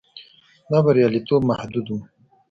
دا بریالیتوب محدود و.